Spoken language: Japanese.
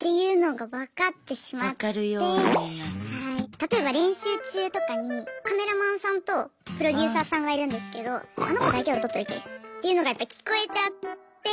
例えば練習中とかにカメラマンさんとプロデューサーさんがいるんですけどあの子だけを撮っといてっていうのがやっぱ聞こえちゃって。